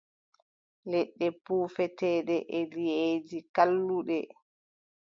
Leɗɗe puufeteeɗe e liʼeeji, kalluɗe.